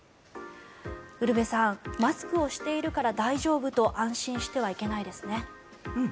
ウルヴェさんマスクをしているから大丈夫と安心してはいけないですね。